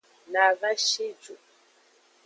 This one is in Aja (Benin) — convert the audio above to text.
Na va shi ju.